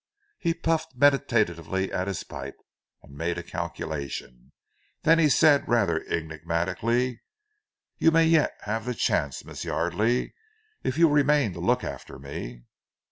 He puffed meditatively at his pipe and made a calculation, then he said rather enigmatically, "You may yet have the chance, Miss Yardely, if you remain to look after me."